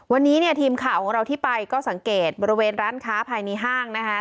วันนี้เนี่ยทีมข่าวของเราที่ไปก็สังเกตบริเวณร้านค้าภายในห้างนะคะ